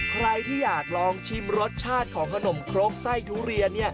ใครที่อยากลองชิมรสชาติของขนมครกไส้ทุเรียน